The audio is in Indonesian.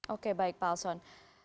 oke baik pak alson